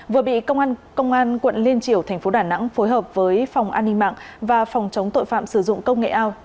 vừa bị công an quận liên triều thành phố đà nẵng phối hợp với phòng an ninh mạng và phòng chống tội phạm sử dụng công nghệ cao